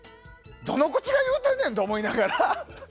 どの口が言うてんねんって思いながら。